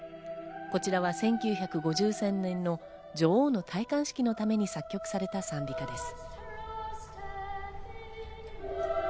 こちらは１９５３年の女王の戴冠式のために作曲された賛美歌です。